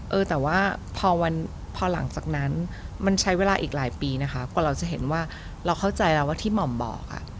เออแต่ว่าพอวันพอหลังจากนั้นมันใช้เวลาอีกหลายปีนะคะกว่าเราจะเห็นว่าเราเข้าใจแล้วว่าที่หม่อมบอก